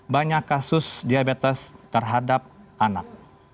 banyak kasus diabetes terhadap anak